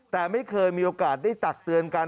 แต่ไม่เคยมีโอกาสได้ตักเตือนกัน